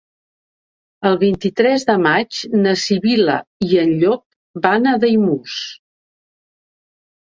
El vint-i-tres de maig na Sibil·la i en Llop van a Daimús.